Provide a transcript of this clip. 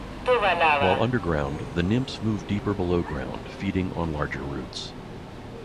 While underground, the nymphs move deeper below ground, feeding on larger roots.